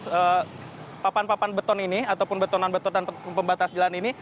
beberapa papan beton ini ataupun betonan betonan pembatas jalan ini